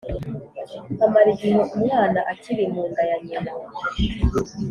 amara igihe umwana akiri mu nda ya nyina